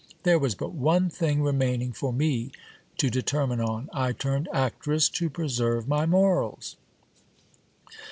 There was but one thing remaining for me to determine on. I turned actress to preserve my morals.